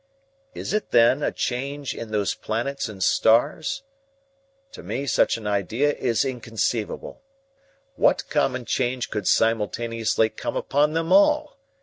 Is it, then, a change in those planets and stars? To me such an idea is inconceivable. What common change could simultaneously come upon them all?